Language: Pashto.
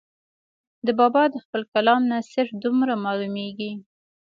د بابا د خپل کلام نه صرف دومره معلوميږي